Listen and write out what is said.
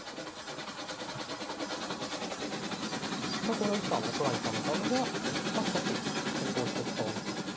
考慮時間は都成さんの側が少し先行して使われていると。